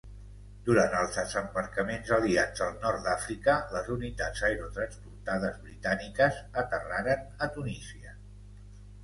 Durant els desembarcaments aliats al nord d'Àfrica, les unitats aerotransportades britàniques aterraren a Tunísia.